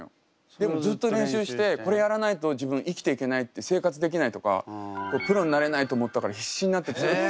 でもずっと練習してこれやらないと自分生きていけないって生活できないとかプロになれないと思ったから必死になってずっと。